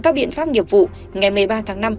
các biện pháp nghiệp vụ ngày một mươi ba tháng năm